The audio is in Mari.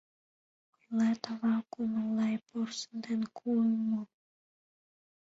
Ойлат, ава кумыл Лай порсын ден куымо.